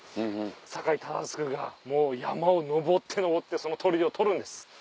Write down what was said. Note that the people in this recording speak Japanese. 酒井忠次がもう山を登って登ってその砦を取るんです。